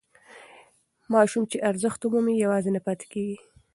ماسوم چې ارزښت ومومي یوازې نه پاتې کېږي.